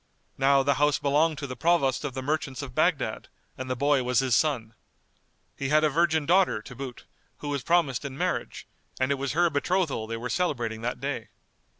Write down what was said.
Now the house belonged to the Provost of the Merchants of Baghdad, and the boy was his son. He had a virgin daughter, to boot, who was promised in marriage, and it was her betrothal they were celebrating that day.